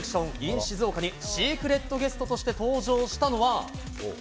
静岡にシークレットゲストとして登場したのは。